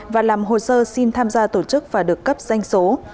và làm hồ sơ xin tham gia tổ chức và được cấp danh số